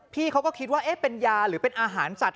พี่เขาก็คิดว่าเป็นยาหรือเป็นอาหารสัตว